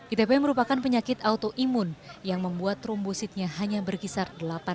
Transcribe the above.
itp merupakan penyakit otoimun yang membuat trombositnya hanya berkisar delapan ribu